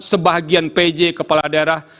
sebagian pj kepala daerah